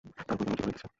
তার উপর কেন জিদ উড়াইতেছ?